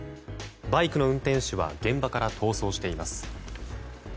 バイクの運転手は現場から逃走しています。